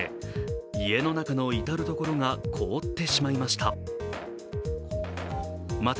家の中の至る所が凍ってしまいました。